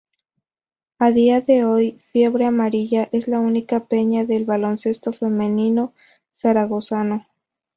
A día de hoy "Fiebre Amarilla" es la única peña del baloncesto femenino zaragozano.